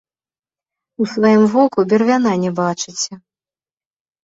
У сваім воку бервяна не бачыце!